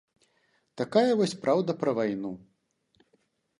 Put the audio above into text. Такая вось праўда пра вайну.